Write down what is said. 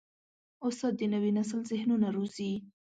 استاد د نوي نسل ذهنونه روزي.